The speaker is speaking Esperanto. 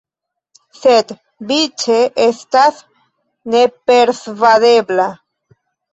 Sed Biĉe estas nepersvadebla.